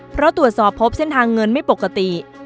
เพราะตรวจสอบพบเส้นทางเงินไม่ปกติ